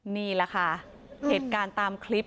นี้แหละค่ะเอกทิศการตามคลิป